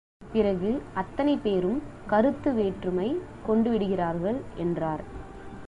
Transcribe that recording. பிறகு, அத்தனை பேரும் கருத்து வேற்றுமை கொண்டு விடுகிறார்கள் என்றார்.